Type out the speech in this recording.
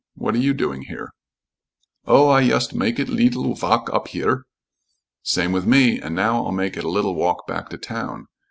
"What are you doing here?" "Oh, I yust make it leetle valk up here." "Same with me, and now I'll make it a little walk back to town."